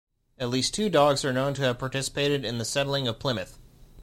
At least two dogs are known to have participated in the settling of Plymouth.